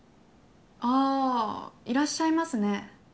ああいらっしゃいますね。